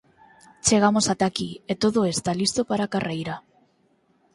Chegamos ata aquí e todo esta listo para a carreira.